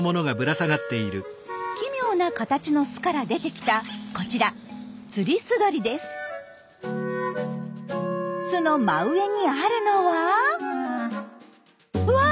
奇妙な形の巣から出てきたこちら巣の真上にあるのはうわ！